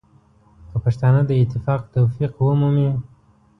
که پښتانه د اتفاق توفیق ومومي.